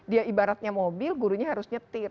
dia ibaratnya mobil gurunya harus nyetir